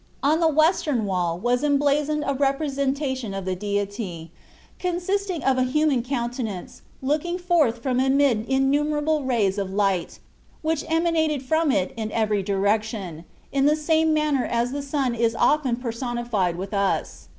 On the western wall was emblazoned a representation of the Deity, consisting of a human countenance looking forth from amid innumerable rays of light, which emanated from it in every direction, in the same manner as the sun is often personified with us.